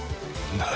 何？